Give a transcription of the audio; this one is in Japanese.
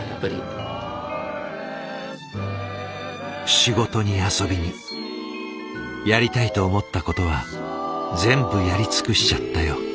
仕事に遊びに「やりたいと思ったことは全部やり尽くしちゃったよ」。